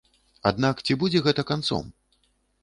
Аднак ці будзе гэта канцом?